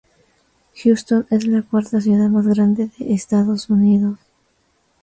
Houston es la cuarta ciudad más grande de Estados Unidos.